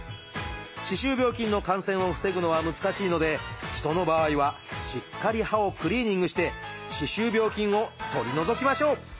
歯周病菌の感染を防ぐのは難しいので人の場合はしっかり歯をクリーニングして歯周病菌を取り除きましょう。